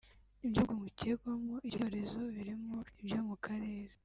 Ibyo bihugu bikekwamo icyo cyorezo birimo ibyo mu karere